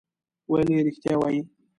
ویل یې رښتیا وایې.